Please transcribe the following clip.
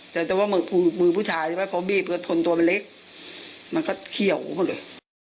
แต่ว่ามันมือมือผู้ชายใช่ไหมเพราะบีบก็ทนตัวเป็นเล็กมันก็เขี่ยวกันเลย